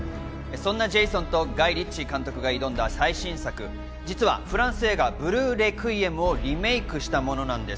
そんなジェイソンとガイ・リッチー監督が挑んだ最新作、実はフランス映画『ブルー・レクイエム』をリメイクしたものなんです。